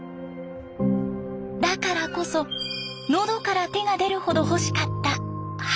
だからこそ喉から手が出るほど欲しかった橋。